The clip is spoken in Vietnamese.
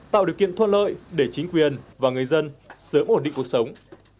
tạo điều kiện thuận lợi để chính quyền và người dân sớm ổn định cuộc sống